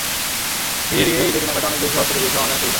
ভিড় এড়িয়ে ঈদের কেনাকাটা অনেক বেশি সহজ করে দিয়েছে অনলাইন সুবিধা।